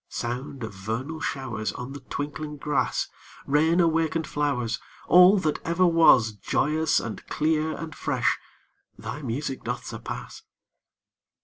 Sound of vernal showers On the twinkling grass, Rain awaken'd flowers, All that ever was, Joyous and clear and fresh, thy music doth surpass.